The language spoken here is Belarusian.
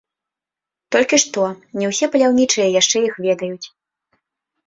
Толькі што, не ўсе паляўнічыя яшчэ іх ведаюць.